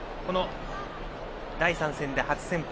第３戦で初先発。